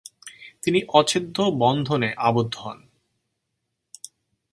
তিনি অচ্ছেদ্য বন্ধনে আবদ্ধ হন।